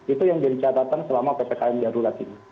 itu yang jadi catatan selama ppkm darurat ini